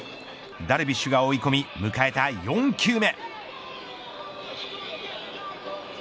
ダルビッシュが追い込み迎えた４球目。